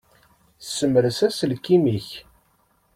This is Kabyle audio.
Ssemres aselkim-ik.